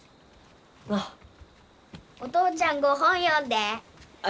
お父ちゃんご本読んで。え？